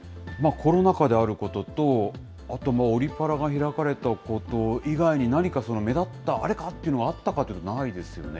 コロナ禍であることと、あとオリパラが開かれたこと以外に、何か目立った、あれか！っていうのはあったかというと、ないですよね。